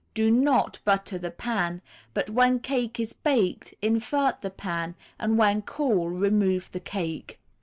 Do not butter the pan, but when cake is baked, invert the pan; and when cool, remove the cake.